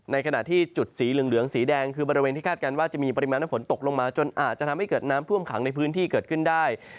ขณะที่จุดสีเหลืองสีแดงคือบริเวณที่คาดการณ์ว่าจะมีปริมาณน้ำฝนตกลงมาจนอาจจะทำให้เกิดน้ำท่วมขังในพื้นที่เกิดขึ้นได้